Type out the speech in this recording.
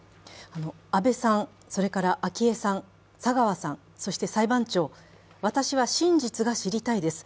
安倍さん、昭恵さん、佐川さん、そして裁判長私は真実が知りたいです。